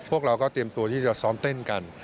พวกเราก็เตรียมตัวที่จะซ้อมเต้นกัน